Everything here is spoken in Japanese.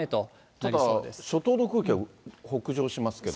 ただ、初冬の空気が北上しますけれども。